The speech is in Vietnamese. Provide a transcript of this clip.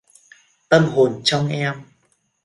Tâm hồn trong em